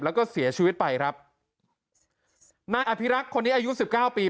แล้วก็เสียชีวิตไปครับนายอภิรักษ์คนนี้อายุสิบเก้าปี